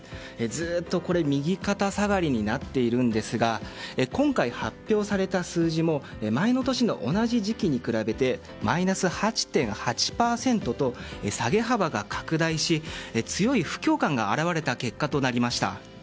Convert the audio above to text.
ずっと右肩下がりになっているんですが今回発表された数字も前の年の同じ時期に比べてマイナス８．８％と下げ幅が拡大し強い不況感が現れた結果となりました。